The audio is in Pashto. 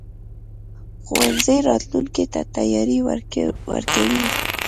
ښوونځی راتلونکي ته تیاری ورکوي.